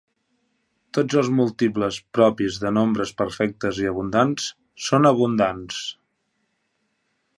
Tots els múltiples propis de nombres perfectes i abundants són abundants.